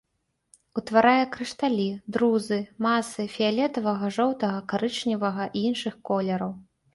Утварае крышталі, друзы, масы фіялетавага, жоўтага, карычневага і іншых колераў.